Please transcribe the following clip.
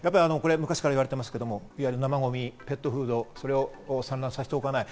昔から言われていますけど、生ゴミ、ペットフード、それを散乱させておかない。